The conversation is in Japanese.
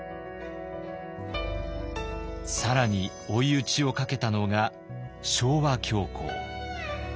更に追い打ちをかけたのが昭和恐慌。